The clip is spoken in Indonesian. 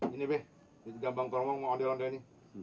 ini be duit gambang keromong sama ondel ondel ini